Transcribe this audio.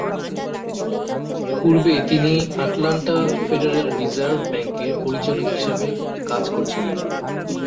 পূর্বে, তিনি Atlanta federal reserve ব্যাঙ্কের পরিচালক হিসাবে কাজ করছিলেন।